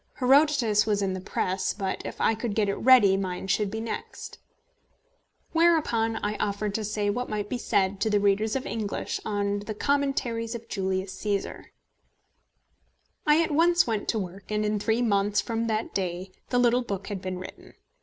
Herodotus was in the press, but, if I could get it ready, mine should be next. Whereupon I offered to say what might be said to the readers of English on The Commentaries of Julius Cæsar. I at once went to work, and in three months from that day the little book had been written.